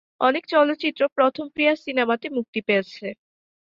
অনেক চলচ্চিত্র প্রথম প্রিয়া সিনেমাতে মুক্তি পেয়েছে।